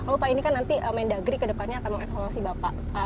oh pak ini kan nanti mendagri kedepannya akan mengevaluasi bapak